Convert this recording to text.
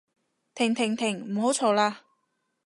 停停停唔好嘈喇